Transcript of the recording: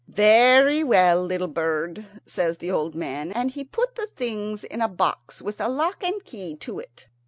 "Very well, little bird," says the old man, and he put the things in a box with a lock and key to it.